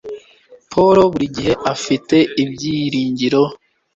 Paul, burigihe afite ibyiringiro